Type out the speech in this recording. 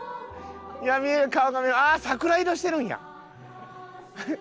見える顔がああ桜色してるんや。